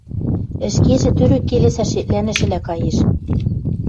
ӹшкежӹ тӧрӧк келесӓш шеклӓнӹшӹлӓ каеш.